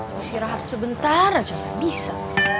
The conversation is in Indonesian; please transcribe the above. aku istirahat sebentar aja nggak bisa